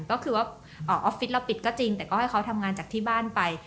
ก็คือว่าออฟฟิศเราปิดก็จริงแต่ก็ให้เขาทำงานจากที่บ้านไป